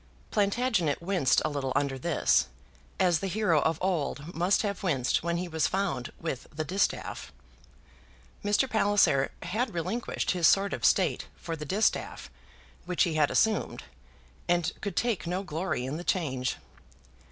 Plantagenet winced a little under this, as the hero of old must have winced when he was found with the distaff. Mr. Palliser had relinquished his sword of state for the distaff which he had assumed, and could take no glory in the change.